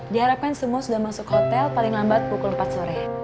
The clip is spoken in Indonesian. diharapkan semua sudah masuk hotel paling lambat pukul empat sore